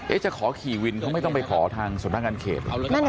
เอ๊ะจะขอขี่วินเขาไม่ต้องไปขอทางสนทางการเขต